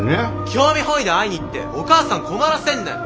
興味本位で会いに行ってお母さん困らせんなよ。